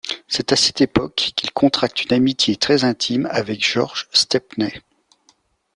C'est à cette époque qu'il contracte une amitié très intime avec George Stepney.